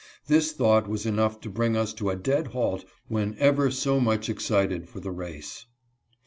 This thought was enough to bring us to a dead halt when ever so much excited for the race.